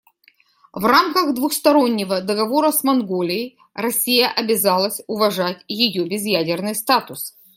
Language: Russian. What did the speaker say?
В рамках двустороннего договора с Монголией Россия обязалась уважать ее безъядерный статус.